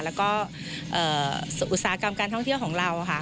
แล้วก็อุตสาหกรรมการท่องเที่ยวของเราค่ะ